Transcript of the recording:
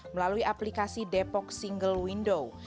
melalui aplikasi depok single window